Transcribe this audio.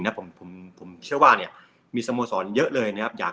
นะผมผมเชื่อว่าเนี่ยมีสโมสรเยอะเลยนะครับอยาก